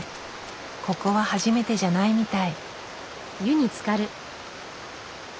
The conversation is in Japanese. ここは初めてじゃないみたい。